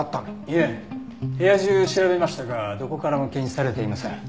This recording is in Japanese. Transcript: いえ部屋中調べましたがどこからも検出されていません。